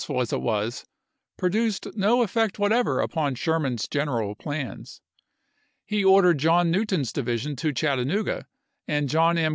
ful as it was, produced no effect whatever upon Sherman's general plans. He ordered John New ton's division to Chattanooga and John M.